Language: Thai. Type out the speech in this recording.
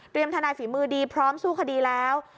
เตรียมทันายฝีมือดีพร้อมสู้คดีแล้ว